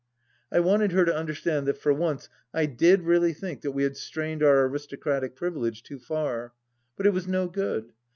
I wanted her to understand, that for once, I did really think that we had strained our aristocratic privilege too far. But it was no good.